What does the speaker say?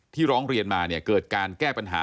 ที่ร้องเรียนมาเกิดการแก้ปัญหา